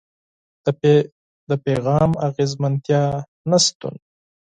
د پيغام د اغېزمنتيا نشتون.